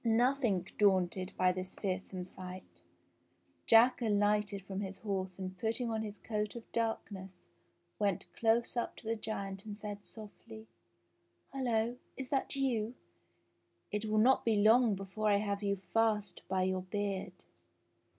Nothing daunted ] by this fearsome sight, Jack alighted from his horse and i putting on his coat of darkness went close up to the giant and ; said softly : "Hullo ! is that you .? It will not be long before I have you fast by your beard."